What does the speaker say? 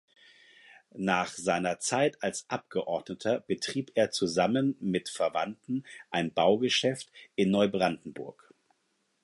Nach seiner Zeit als Abgeordneter betrieb er zusammen mit Verwandten ein Baugeschäft in Neubrandenburg.